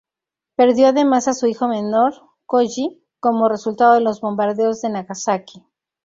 Perdió además a su hijo menor, Koji, como resultado de los bombardeos de Nagasaki.